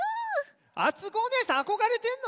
あつこおねえさんあこがれてんの？